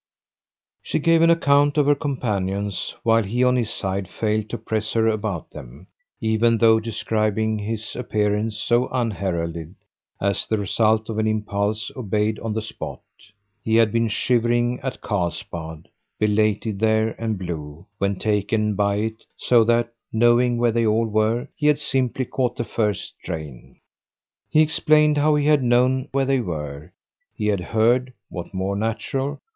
She gave an account of her companions while he on his side failed to press her about them, even though describing his appearance, so unheralded, as the result of an impulse obeyed on the spot. He had been shivering at Carlsbad, belated there and blue, when taken by it; so that, knowing where they all were, he had simply caught the first train. He explained how he had known where they were; he had heard what more natural?